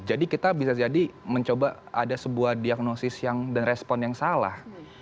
jadi kita bisa jadi mencoba ada sebuah diagnosis yang dan respon yang salah